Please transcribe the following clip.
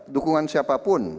dukungan siapa pun